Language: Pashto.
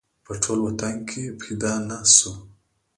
په ټول وطن کې پیدا نه شو